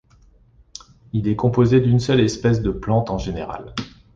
Il est composé d’une seule espèce de plante en général.